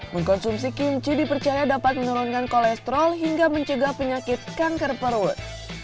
mengkonsumsi kimchi dipercaya dapat menurunkan kolesterol hingga mencegah penyakit kanker perut